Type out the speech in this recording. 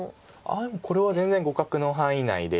でもこれは全然互角の範囲内で。